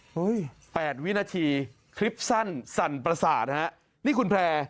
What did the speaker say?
แปดวินาทีคลิปสั้นสั่นประสาทฮะนี่คุณแพร่